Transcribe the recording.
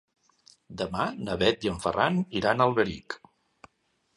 Demà na Bet i en Ferran iran a Alberic.